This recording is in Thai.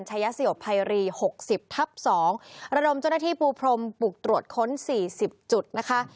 ชัยศิโยคไพรีหกสิบทับสองระดมเจ้าหน้าที่ปูพรมปลูกตรวจค้นสี่สิบจุดนะคะ